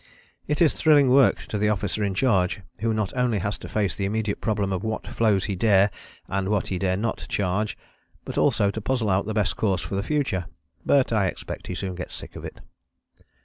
It is thrilling work to the officer in charge, who not only has to face the immediate problem of what floes he dare and what he dare not charge, but also to puzzle out the best course for the future, but I expect he soon gets sick of it.